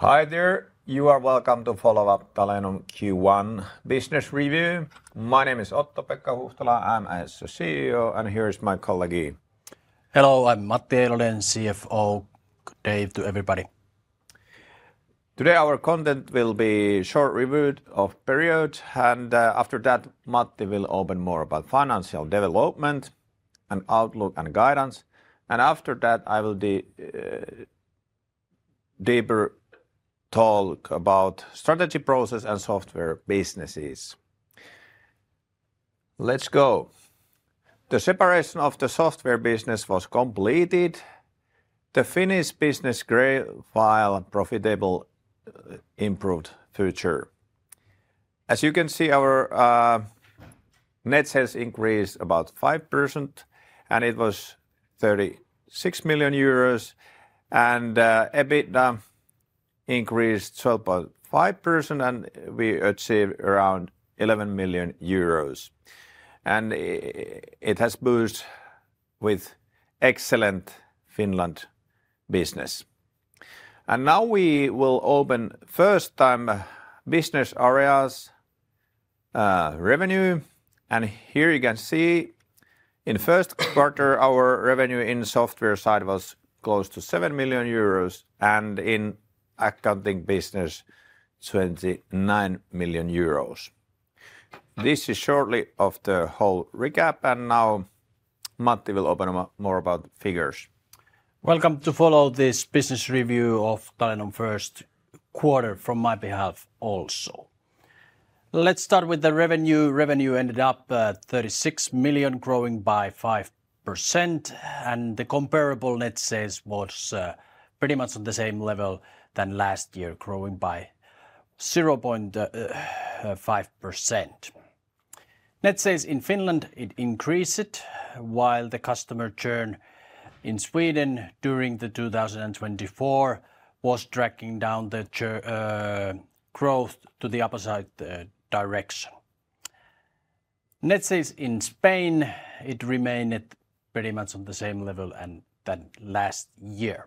Hi there. You are welcome to follow up Talenom Q1 Business Review. My name is Otto-Pekka Huhtala. I'm the CEO, and here is my colleague. Hello, I'm Matti Eilonen, CFO. Good day to everybody. Today our content will be a short review of the period, and after that, Matti will open more about financial development and outlook and guidance. After that, I will deeper talk about the strategy process and software businesses. Let's go. The separation of the software business was completed. The Finnish business grew while profitable, improved future. As you can see, our net sales increased about 5%, and it was 36 million euros. EBITDA increased 12.5%, and we achieved around 11 million euros. It has boosted with excellent Finland business. Now we will open first-time business areas revenue. Here you can see in the 1st quarter, our revenue in the software side was close to 7 million euros, and in accounting business, 29 million euros. This is shortly of the whole recap, and now Matti will open more about figures. Welcome to follow this business review of Talenom 1st quarter from my behalf also. Let's start with the revenue. Revenue ended up at 36 million, growing by 5%, and the comparable net sales was pretty much on the same level than last year, growing by 0.5%. Net sales in Finland increased, while the customer churn in Sweden during 2024 was tracking down the growth to the upside direction. Net sales in Spain, it remained pretty much on the same level than last year.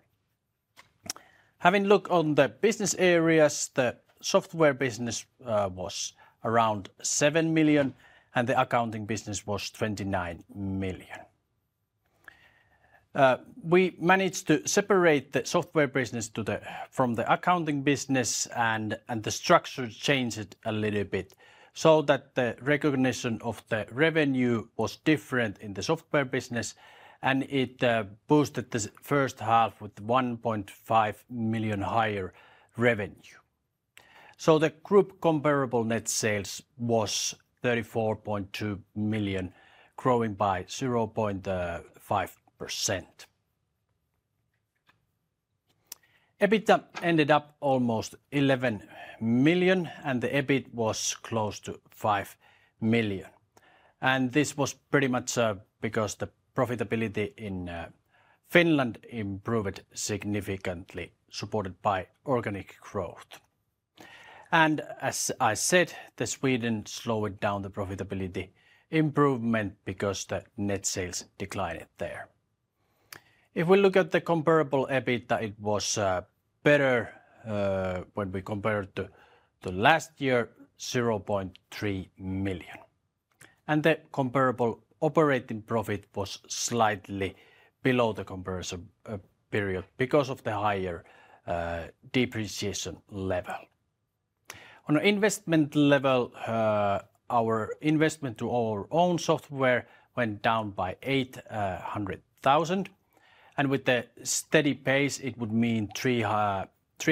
Having a look on the business areas, the software business was around 7 million, and the accounting business was 29 million. We managed to separate the software business from the accounting business, and the structure changed a little bit so that the recognition of the revenue was different in the software business, and it boosted the first half with 1.5 million higher revenue. The group comparable net sales was 34.2 million, growing by 0.5%. EBITDA ended up almost 11 million, and the EBIT was close to 5 million. This was pretty much because the profitability in Finland improved significantly, supported by organic growth. As I said, Sweden slowed down the profitability improvement because the net sales declined there. If we look at the comparable EBITDA, it was better when we compared to last year, 0.3 million. The comparable operating profit was slightly below the comparison period because of the higher depreciation level. On an investment level, our investment to our own software went down by 800,000. With the steady pace, it would mean 3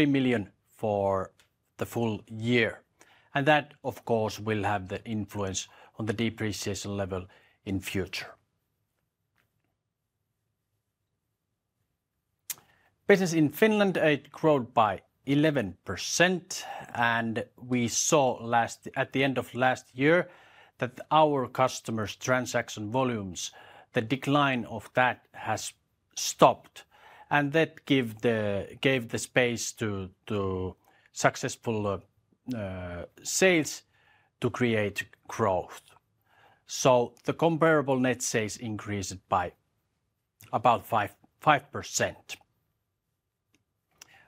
million for the full year. That, of course, will have the influence on the depreciation level in the future. Business in Finland grows by 11%, and we saw at the end of last year that our customers' transaction volumes, the decline of that has stopped, and that gave the space to successful sales to create growth. The comparable net sales increased by about 5%.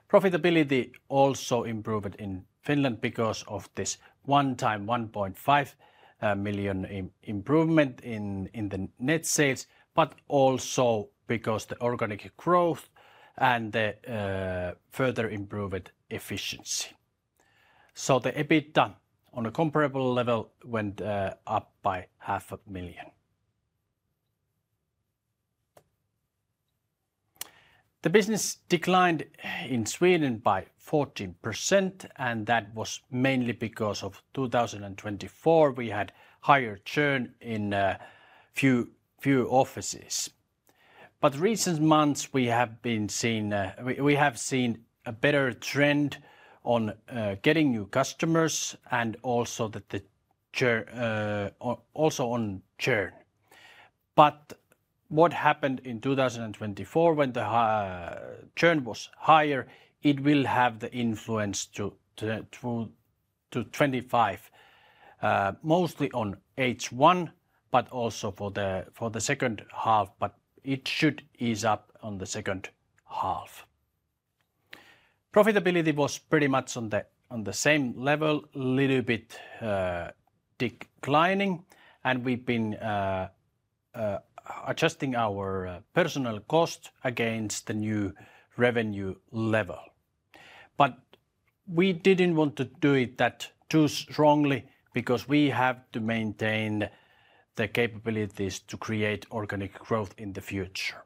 Profitability also improved in Finland because of this one-time 1.5 million improvement in the net sales, but also because of the organic growth and the further improved efficiency. The EBITDA on a comparable level went up by EUR 500,000. The business declined in Sweden by 14%, and that was mainly because of 2024. We had higher churn in a few offices. Recent months, we have been seeing a better trend on getting new customers and also on churn. What happened in 2024 when the churn was higher, it will have the influence to '25, mostly on H1, but also for the second half, but it should ease up on the second half. Profitability was pretty much on the same level, a little bit declining, and we've been adjusting our personnel cost against the new revenue level. We did not want to do it that too strongly because we have to maintain the capabilities to create organic growth in the future.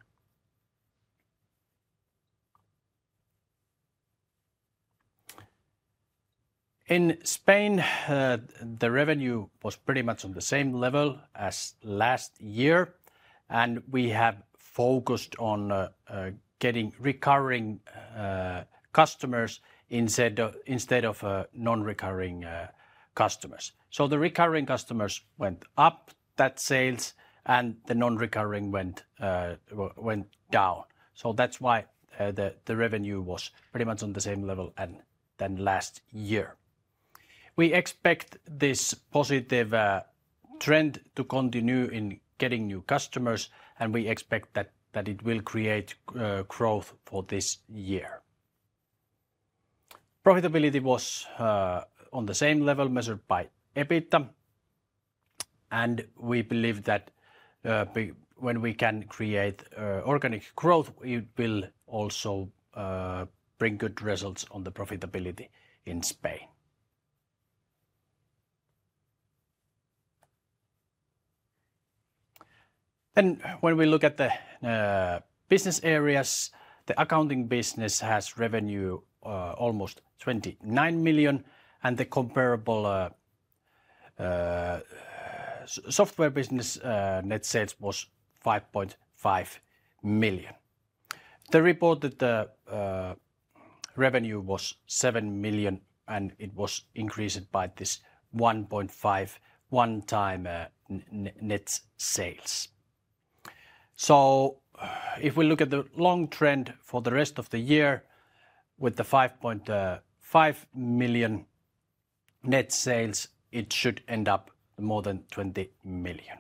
In Spain, the revenue was pretty much on the same level as last year, and we have focused on getting recurring customers instead of non-recurring customers. The recurring customers went up, that sales, and the non-recurring went down. That is why the revenue was pretty much on the same level than last year. We expect this positive trend to continue in getting new customers, and we expect that it will create growth for this year. Profitability was on the same level measured by EBITDA, and we believe that when we can create organic growth, it will also bring good results on the profitability in Spain. When we look at the business areas, the accounting business has revenue almost 29 million, and the comparable software business net sales was 5.5 million. The reported revenue was 7 million, and it was increased by this 1.5 million one-time net sales. If we look at the long trend for the rest of the year with the 5.5 million net sales, it should end up more than 20 million.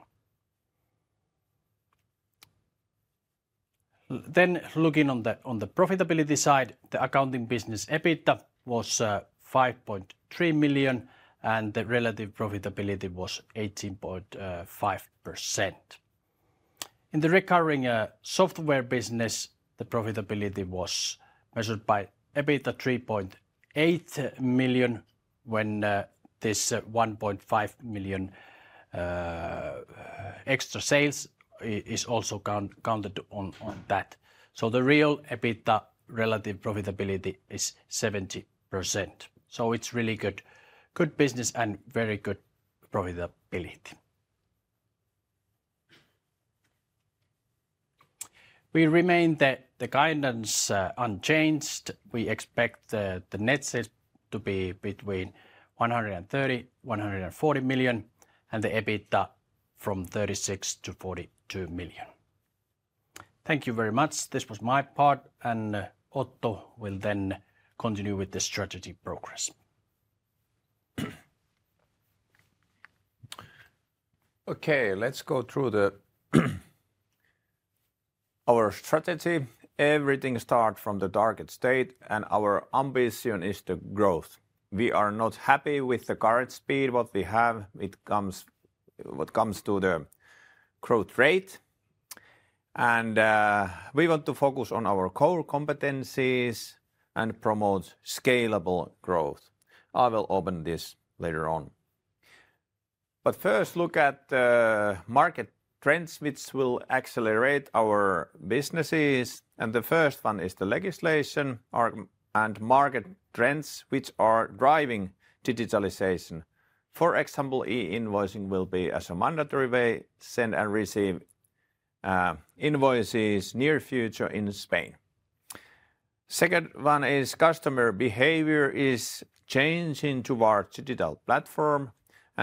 Looking on the profitability side, the accounting business EBITDA was 5.3 million, and the relative profitability was 18.5%. In the recurring software business, the profitability was measured by EBITDA 3.8 million when this 1.5 million extra sales is also counted on that. The real EBITDA relative profitability is 70%. It is really good business and very good profitability. We remain the guidance unchanged. We expect the net sales to be between 130-140 million and the EBITDA from 36-42 million. Thank you very much. This was my part, and Otto will then continue with the strategy progress. Okay, let's go through our strategy. Everything starts from the target state, and our ambition is the growth. We are not happy with the current speed, what we have when it comes to the growth rate. We want to focus on our core competencies and promote scalable growth. I will open this later on. First, look at the market trends which will accelerate our businesses. The first one is the legislation and market trends which are driving digitalization. For example, e-invoicing will be as a mandatory way to send and receive invoices near future in Spain. The second one is customer behavior is changing towards digital platform.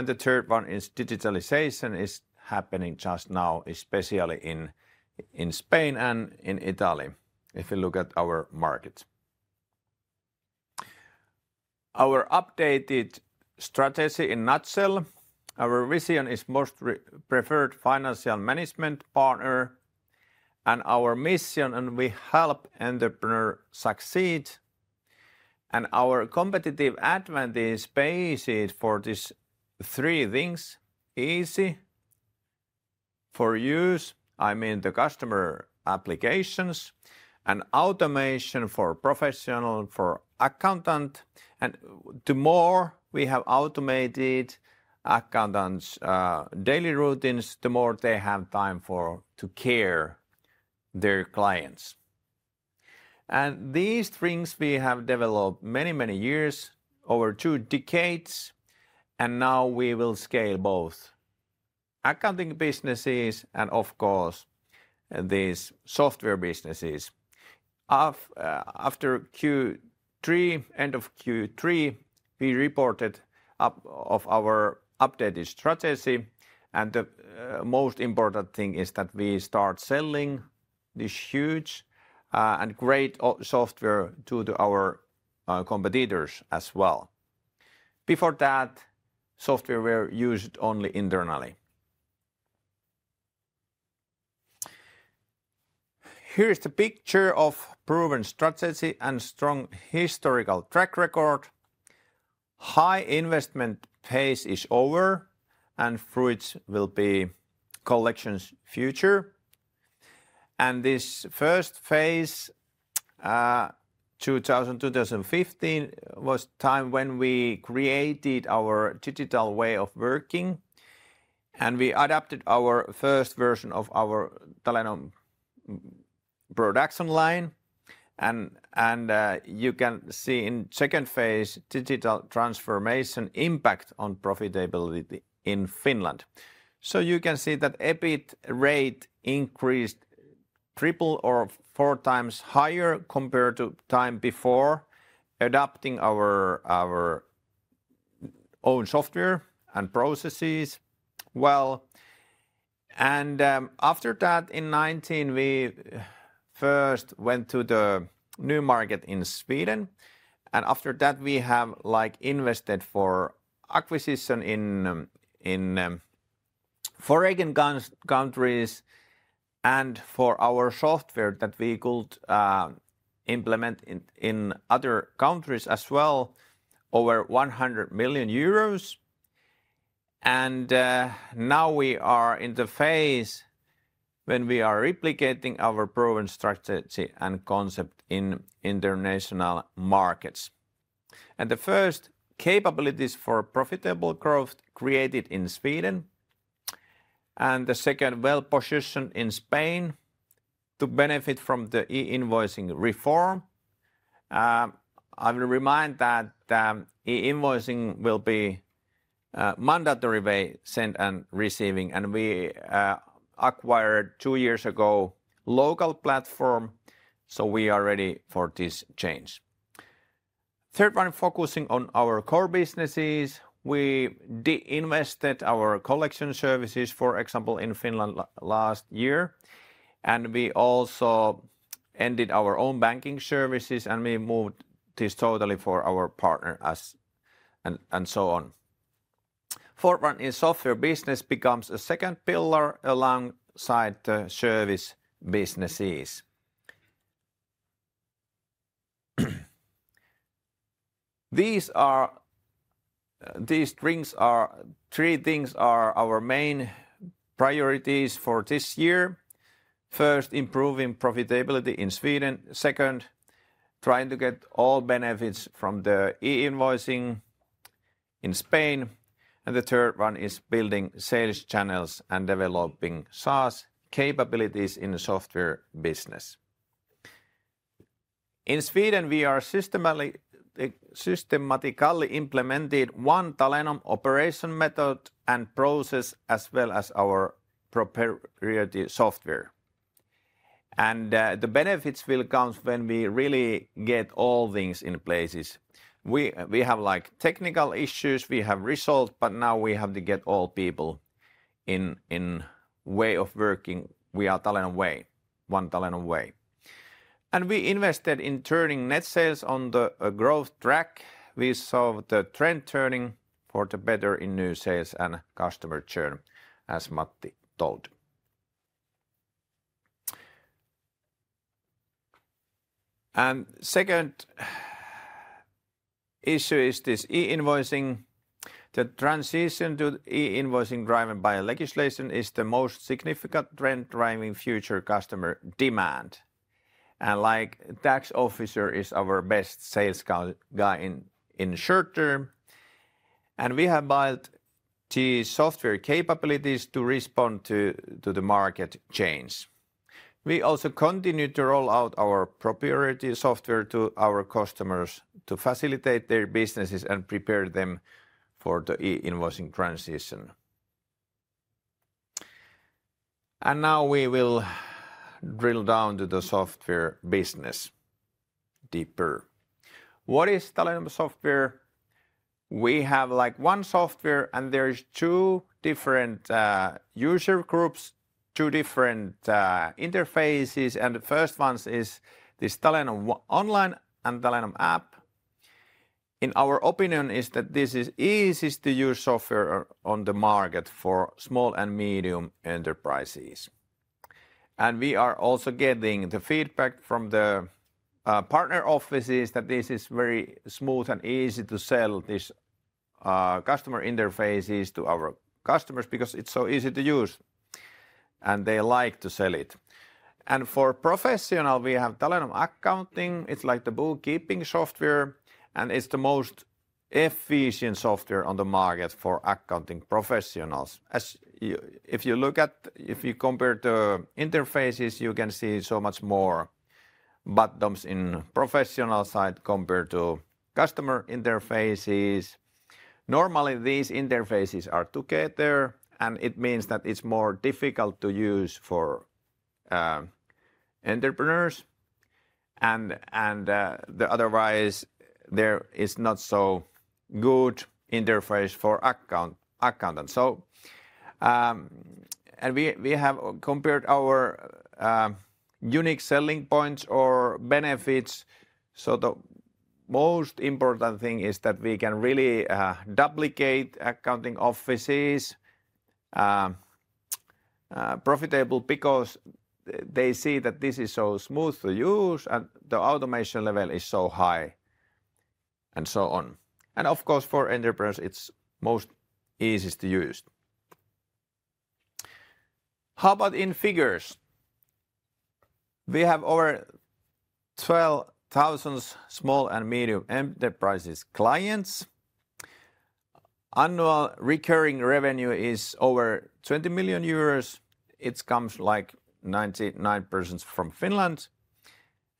The third one is digitalization is happening just now, especially in Spain and in Italy. If we look at our market. Our updated strategy in a nutshell, our vision is most preferred financial management partner, and our mission, and we help entrepreneurs succeed. Our competitive advantage is basic for these three things: easy for use, I mean the customer applications, and automation for professional, for accountant. The more we have automated accountants' daily routines, the more they have time to care for their clients. These things we have developed many, many years, over two decades, and now we will scale both accounting businesses and, of course, these software businesses. After Q3, end of Q3, we reported up of our updated strategy, and the most important thing is that we start selling this huge and great software to our competitors as well. Before that, software were used only internally. Here's the picture of proven strategy and strong historical track record. high investment phase is over, and fruits will be collected in the future. This first phase, 2000-2015, was the time when we created our digital way of working, and we adapted our first version of our Talenom production line. You can see in the second phase the digital transformation impact on profitability in Finland. You can see that the EBIT rate increased triple or four times higher compared to the time before adapting our own software and processes. After that, in 2019, we first went to the new market in Sweden. After that, we have invested for acquisition in foreign countries and for our software that we could implement in other countries as well, over 100 million euros. Now we are in the phase when we are replicating our proven strategy and concept in international markets. The first capabilities for profitable growth created in Sweden, and the second well-positioned in Spain to benefit from the e-invoicing reform. I will remind that e-invoicing will be a mandatory way of sending and receiving, and we acquired two years ago a local platform, so we are ready for this change. The third one, focusing on our core businesses, we de-invested our collection services, for example, in Finland last year, and we also ended our own banking services, and we moved this totally for our partner and so on. The fourth one, in software business becomes a second pillar alongside the service businesses. These three things are our main priorities for this year. First, improving profitability in Sweden. Second, trying to get all benefits from the e-invoicing in Spain. The third one is building sales channels and developing SaaS capabilities in the software business. In Sweden, we have systematically implemented one Talenom operation method and process as well as our proprietary software. The benefits will come when we really get all things in place. We have technical issues we have resolved, but now we have to get all people in a way of working via Talenom Way. We invested in turning net sales on the growth track. We saw the trend turning for the better in new sales and customer churn, as Matti told. The second issue is this e-invoicing. The transition to e-invoicing driven by legislation is the most significant trend driving future customer demand. Like a tax officer is our best sales guy in the short term. We have built software capabilities to respond to the market change. We also continue to roll out our proprietary software to our customers to facilitate their businesses and prepare them for the e-invoicing transition. Now we will drill down to the software business deeper. What is Talenom software? We have one software, and there are two different user groups, two different interfaces. The first one is this Talenom Online and Talenom App. In our opinion, this is the easiest to use software on the market for small and medium enterprises. We are also getting the feedback from the partner offices that this is very smooth and easy to sell these customer interfaces to our customers because it's so easy to use. They like to sell it. For professionals, we have Talenom Accounting. It's like the bookkeeping software, and it's the most efficient software on the market for accounting professionals. If you look at, if you compare the interfaces, you can see so much more buttons in the professional side compared to customer interfaces. Normally, these interfaces are together, and it means that it's more difficult to use for entrepreneurs. Otherwise, there is not a good interface for accountants. We have compared our unique selling points or benefits. The most important thing is that we can really duplicate accounting offices profitably because they see that this is so smooth to use, and the automation level is so high, and so on. For entrepreneurs, it's most easiest to use. How about in figures? We have over 12,000 small and medium enterprises clients. Annual recurring revenue is over 20 million euros. It comes like 99% from Finland.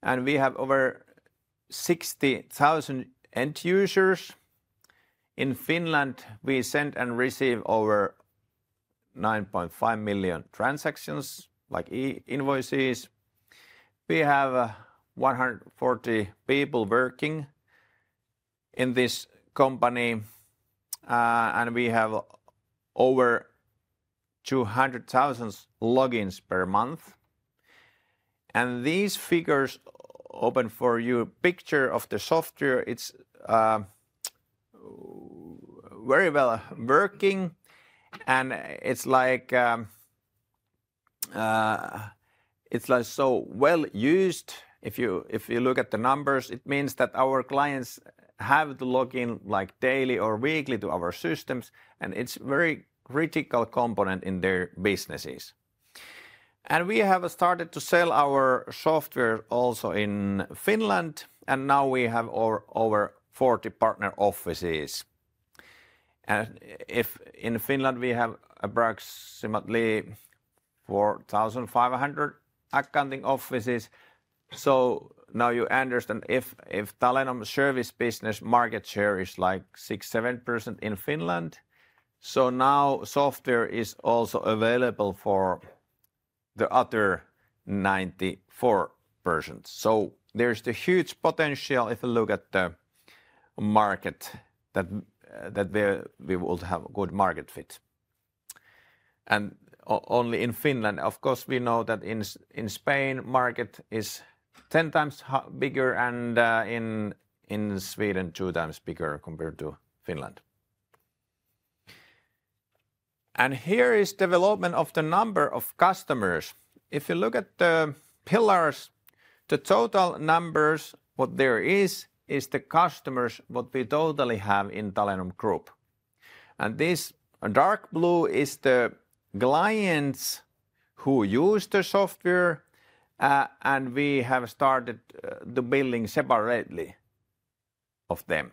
We have over 60,000 end users. In Finland, we send and receive over 9.5 million transactions, like e-invoices. We have 140 people working in this company, and we have over 200,000 logins per month. These figures open for you a picture of the software. It's very well working, and it's like so well used. If you look at the numbers, it means that our clients have to log in daily or weekly to our systems, and it's a very critical component in their businesses. We have started to sell our software also in Finland, and now we have over 40 partner offices. In Finland, we have approximately 4,500 accounting offices. You understand if Talenom service business market share is like 6-7% in Finland. Now software is also available for the other 94%. There is the huge potential if you look at the market that we would have a good market fit. Only in Finland, of course, we know that in Spain, the market is 10 times bigger, and in Sweden, 2 times bigger compared to Finland. Here is the development of the number of customers. If you look at the pillars, the total numbers, what there is, is the customers what we totally have in Talenom Group. This dark blue is the clients who use the software, and we have started the building separately of them.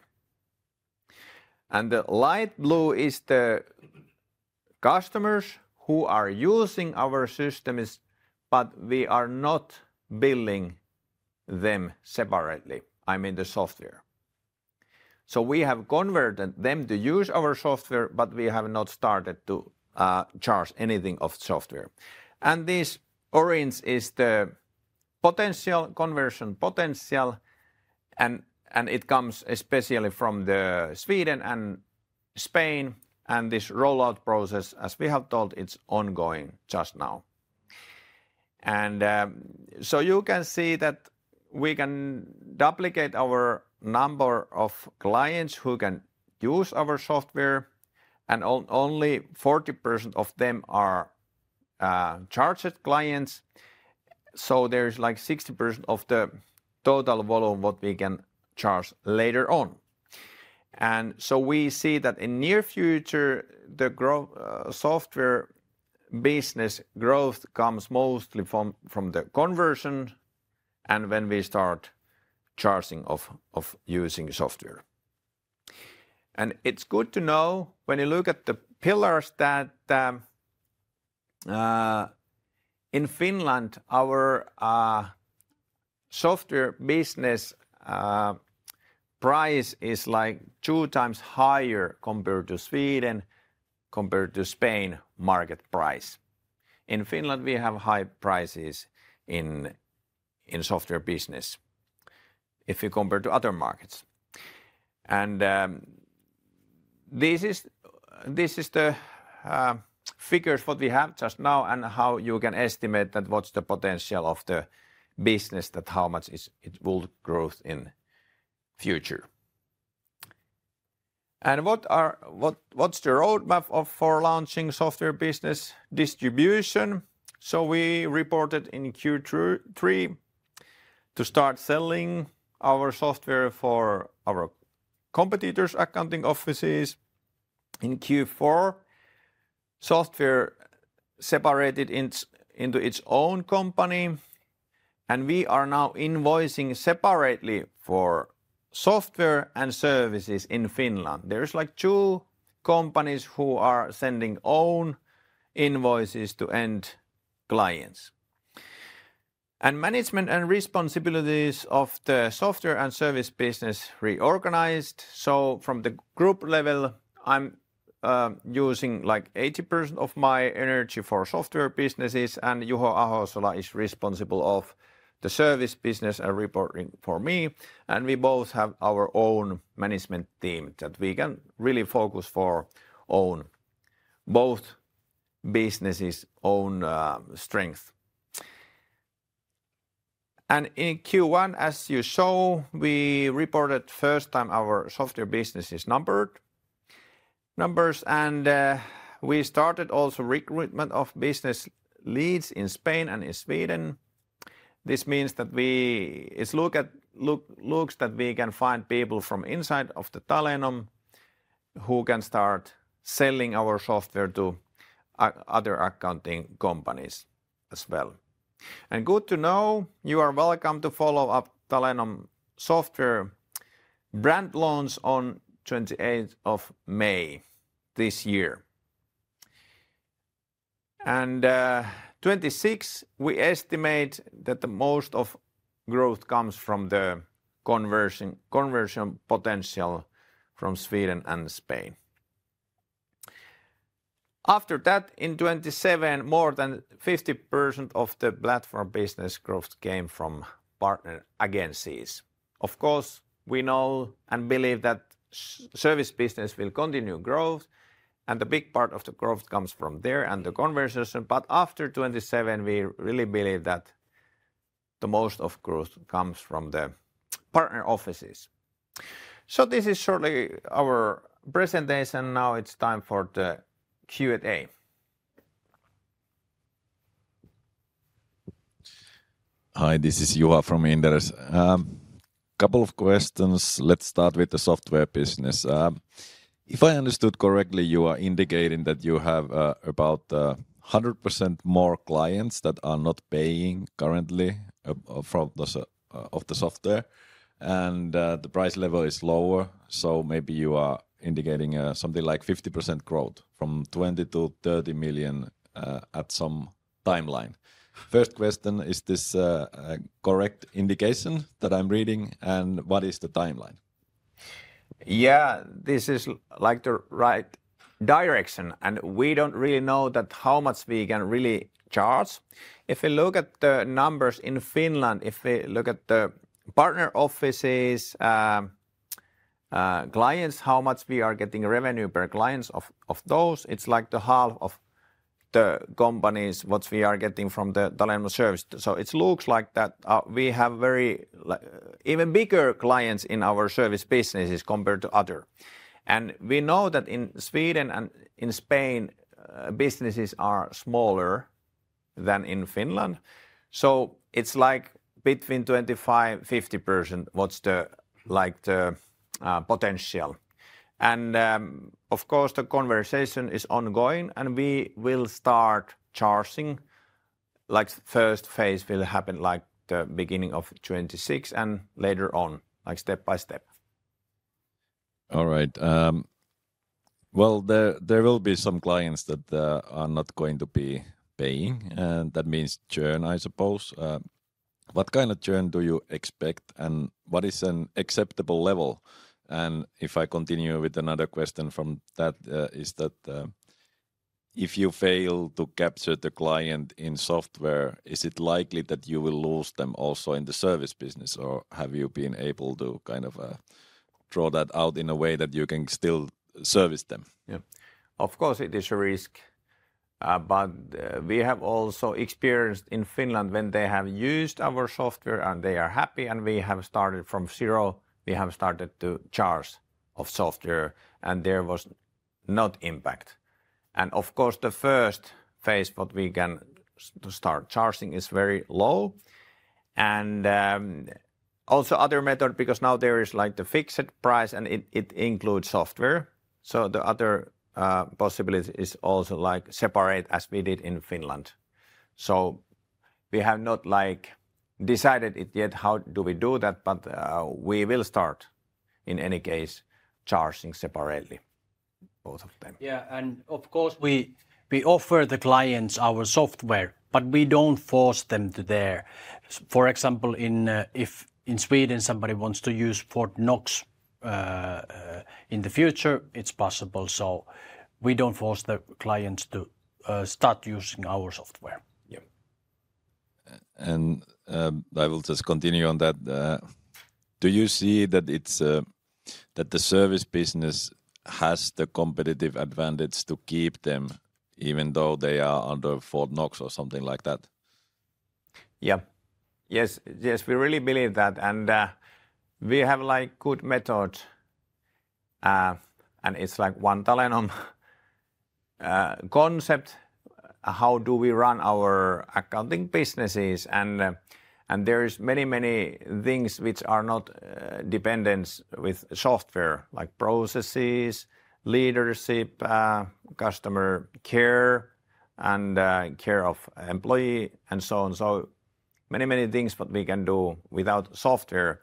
The light blue is the customers who are using our systems, but we are not building them separately, I mean the software. We have converted them to use our software, but we have not started to charge anything of the software. This orange is the potential conversion potential, and it comes especially from Sweden and Spain. This rollout process, as we have told, is ongoing just now. You can see that we can duplicate our number of clients who can use our software, and only 40% of them are charged clients. There is like 60% of the total volume that we can charge later on. We see that in the near future, the software business growth comes mostly from the conversion and when we start charging for using software. It is good to know when you look at the pillars that in Finland, our software business price is like two times higher compared to Sweden, compared to Spain market price. In Finland, we have high prices in software business if you compare to other markets. These are the figures that we have just now and how you can estimate what is the potential of the business, how much it will grow in the future. What's the roadmap for launching software business distribution? We reported in Q3 to start selling our software for our competitors' accounting offices. In Q4, software separated into its own company, and we are now invoicing separately for software and services in Finland. There are like two companies who are sending own invoices to end clients. Management and responsibilities of the software and service business reorganized. From the group level, I'm using like 80% of my energy for software businesses, and Juho Ahosola is responsible for the service business and reporting for me. We both have our own management team that we can really focus for own both businesses, own strength. In Q1, as you saw, we reported first time our software businesses numbered. We started also recruitment of business leads in Spain and in Sweden. This means that it looks that we can find people from inside of Talenom who can start selling our software to other accounting companies as well. Good to know, you are welcome to follow up Talenom software brand launch on 28th of May this year. In '26, we estimate that most of the growth comes from the conversion potential from Sweden and Spain. After that, in '27, more than 50% of the platform business growth came from partner agencies. Of course, we know and believe that service business will continue growth, and a big part of the growth comes from there and the conversation. After '27, we really believe that most of the growth comes from the partner offices. This is shortly our presentation. Now it's time for the Q&A. Hi, this is Juha from Inderes. A couple of questions. Let's start with the software business. If I understood correctly, you are indicating that you have about 100% more clients that are not paying currently of the software, and the price level is lower. Maybe you are indicating something like 50% growth from 20 million to 30 million at some timeline. First question, is this a correct indication that I'm reading, and what is the timeline? Yeah, this is like the right direction, and we don't really know how much we can really charge. If we look at the numbers in Finland, if we look at the partner offices, clients, how much we are getting revenue per client of those, it's like half of the companies what we are getting from the Talenom service. It looks like that we have even bigger clients in our service businesses compared to others. We know that in Sweden and in Spain, businesses are smaller than in Finland. It is like between 25-50% what is the potential. The conversation is ongoing, and we will start charging. The first phase will happen at the beginning of 2026 and later on, step by step. All right. There will be some clients that are not going to be paying, and that means churn, I suppose. What kind of churn do you expect, and what is an acceptable level? If I continue with another question from that, is that if you fail to capture the client in software, is it likely that you will lose them also in the service business, or have you been able to kind of draw that out in a way that you can still service them? Yeah, of course, it is a risk, but we have also experienced in Finland when they have used our software and they are happy, and we have started from zero, we have started to charge of software, and there was no impact. The first phase what we can start charging is very low. Also, other method, because now there is like the fixed price and it includes software. The other possibility is also like separate as we did in Finland. We have not decided it yet, how do we do that, but we will start in any case charging separately both of them. Yeah, and of course we offer the clients our software, but we do not force them to there. For example, if in Sweden somebody wants to use Fortnox in the future, it is possible. We do not force the clients to start using our software. Yeah. I will just continue on that. Do you see that the service business has the competitive advantage to keep them even though they are under Fortnox or something like that? Yeah, yes, yes, we really believe that. We have like good method, and it is like one Talenom concept, how do we run our accounting businesses. There are many, many things which are not dependent with software, like processes, leadership, customer care, and care of employee, and so on. Many, many things we can do without software.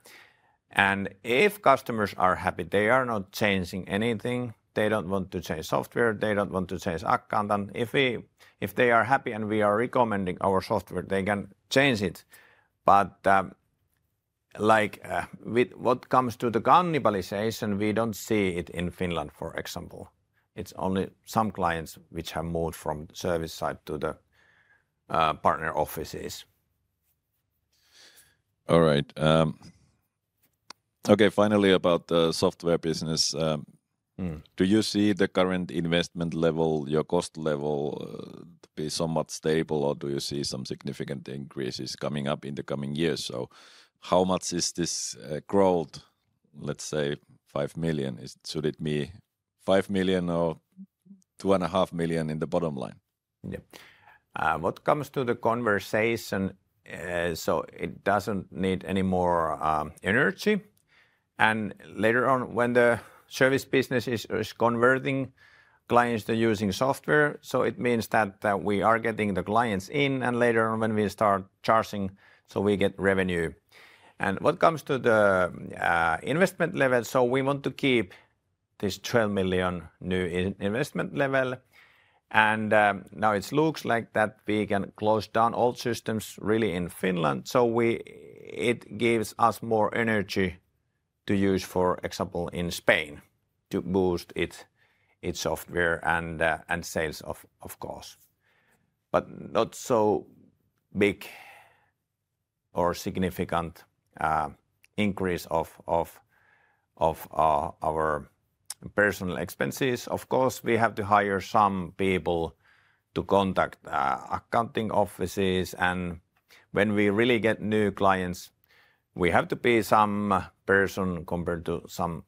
If customers are happy, they are not changing anything. They do not want to change software. They do not want to change account. If they are happy and we are recommending our software, they can change it. Like with what comes to the cannibalization, we do not see it in Finland, for example. It is only some clients which have moved from the service side to the partner offices. All right. Okay, finally about the software business. Do you see the current investment level, your cost level, to be somewhat stable, or do you see some significant increases coming up in the coming years? How much is this growth, let's say 5 million? Should it be 5 million or 2.5 million in the bottom line? Yeah. What comes to the conversation, it does not need any more energy. Later on, when the service business is converting, clients are using software. It means that we are getting the clients in, and later on when we start charging, we get revenue. What comes to the investment level, we want to keep this 12 million new investment level. Now it looks like we can close down all systems really in Finland. It gives us more energy to use, for example, in Spain to boost its software and sales, of course. Not so big or significant increase of our personnel expenses. Of course, we have to hire some people to contact accounting offices. When we really get new clients, we have to be some person compared to some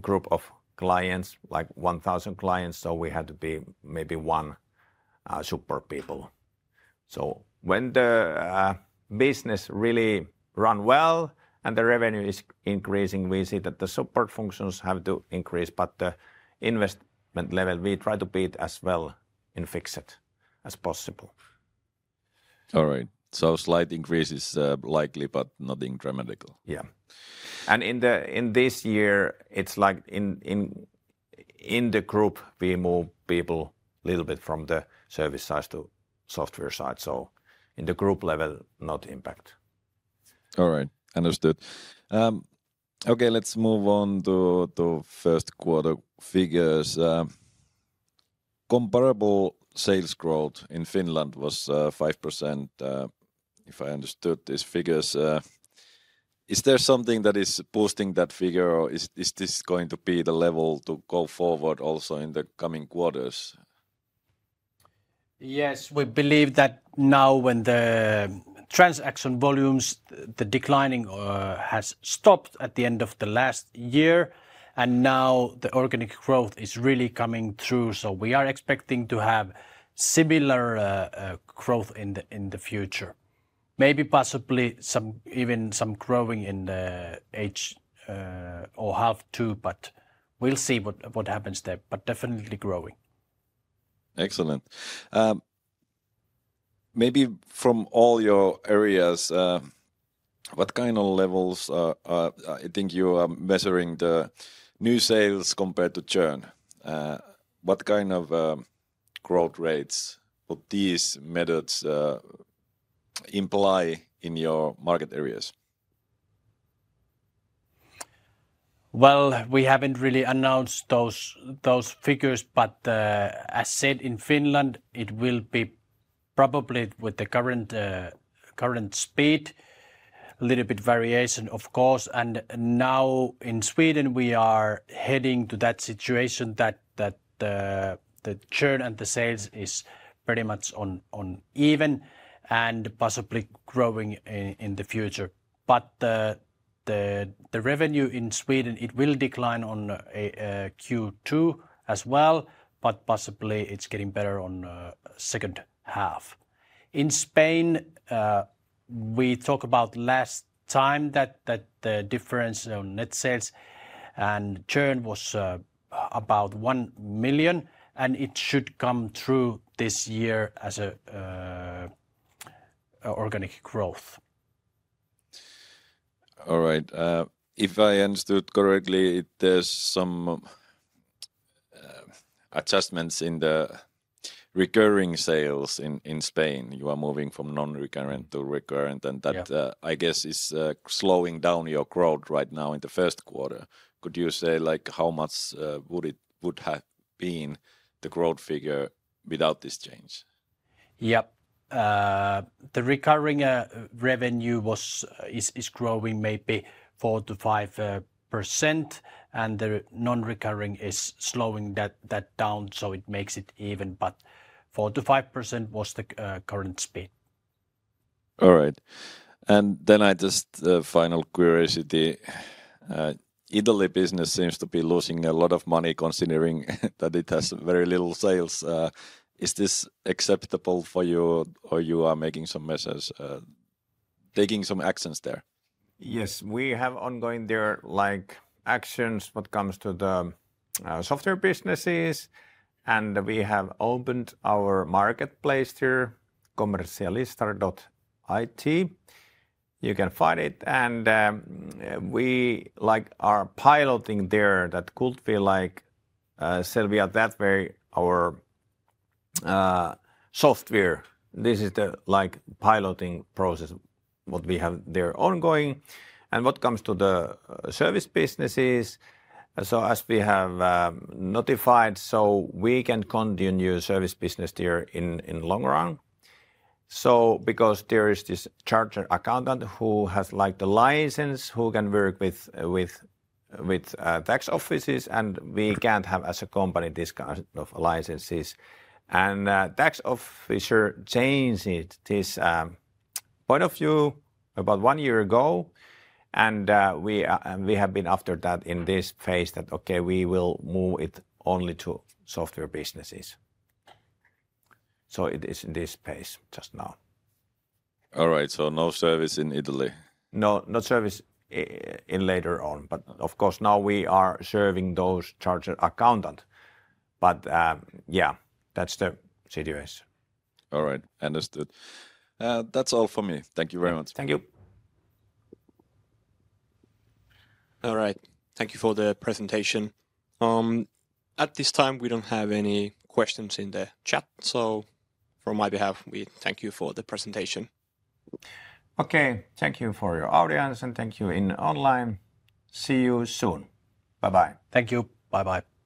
group of clients, like 1,000 clients. We have to be maybe one support people. When the business really runs well and the revenue is increasing, we see that the support functions have to increase, but the investment level, we try to beat as well and fix it as possible. All right. Slight increase is likely, but nothing dramatical. Yeah. In this year, it's like in the group, we move people a little bit from the service side to software side. In the group level, not impact. All right. Understood. Okay, let's move on to 1st quarter figures. Comparable sales growth in Finland was 5%, if I understood these figures. Is there something that is boosting that figure, or is this going to be the level to go forward also in the coming quarters? Yes, we believe that now when the transaction volumes, the declining has stopped at the end of the last year, and now the organic growth is really coming through. We are expecting to have similar growth in the future. Maybe possibly even some growing in the age or half two, but we'll see what happens there, but definitely growing. Excellent. Maybe from all your areas, what kind of levels I think you are measuring the new sales compared to churn? What kind of growth rates would these methods imply in your market areas? We haven't really announced those figures, but as said in Finland, it will be probably with the current speed, a little bit variation, of course. Now in Sweden, we are heading to that situation that the churn and the sales is pretty much on even and possibly growing in the future. The revenue in Sweden, it will decline on Q2 as well, but possibly it's getting better on the second half. In Spain, we talk about last time that the difference on net sales and churn was about 1 million, and it should come through this year as organic growth. All right. If I understood correctly, there's some adjustments in the recurring sales in Spain. You are moving from non-recurrent to recurrent, and that, I guess, is slowing down your growth right now in the 1st quarter. Could you say like how much would it have been the growth figure without this change? Yep. The recurring revenue is growing maybe 4-5%, and the non-recurring is slowing that down, so it makes it even, but 4-5% was the current speed. All right. I just final curiosity. Italy business seems to be losing a lot of money considering that it has very little sales. Is this acceptable for you, or you are making some measures, taking some actions there? Yes, we have ongoing there like actions what comes to the software businesses, and we have opened our marketplace there, Commercialista.it. You can find it, and we like are piloting there that could be like that way our software. This is the like piloting process what we have there ongoing. What comes to the service businesses, as we have notified, we can continue service business there in the long run. Because there is this charter accountant who has like the license who can work with tax offices, and we can't have as a company this kind of licenses. The tax officer changed this point of view about one year ago, and we have been after that in this phase that, okay, we will move it only to software businesses. It is in this phase just now. All right, so no service in Italy? No, no service later on, but of course now we are serving those charter accountants, but yeah, that's the situation. All right, understood. That's all for me. Thank you very much. Thank you. All right, thank you for the presentation. At this time, we don't have any questions in the chat, so from my behalf, we thank you for the presentation. Okay, thank you for your audience, and thank you in online. See you soon. Bye-bye. Thank you. Bye-bye.